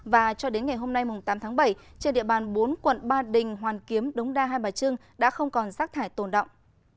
và cho đến ngày hôm nay tám tháng bảy trên địa bàn bốn quận ba đình hoàn kiếm đống đa hai bà trưng đã không còn rác thải tồn động